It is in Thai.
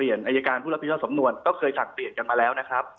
แล้วอายาการผู้ระพิเศษสำนวนก็เคยทางเปลี่ยนกันมาแล้วนะครับ